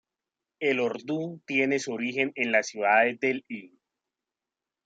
El urdú tiene su origen en la ciudad de Delhi.